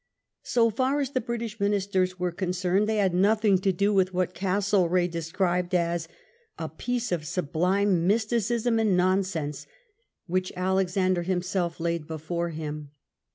So far as the British Ministers were concerned they had nothing to do with what Castlereagh described as " a piece of sublime mysti cism and nonsense," which Alexander himself laid before him.